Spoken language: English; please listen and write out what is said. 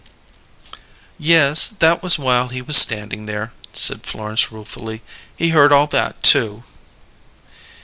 "Yes, that was while he was standing there," said Florence ruefully. "He heard all that, too."